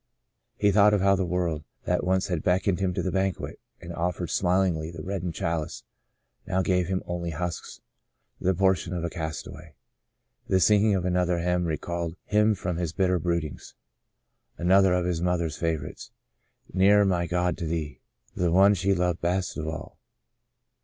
He thought of how the world, that once had beckoned him to the banquet and offered smilingly the reddened chalice, now gave him only husks — the portion of a castaway. The singing of another hymn recalled him from his bitter broodings. An other of his mother's favourites —" Nearer my God to Thee," the one she loved best of all.